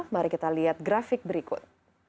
mari kita lihat grafik berikut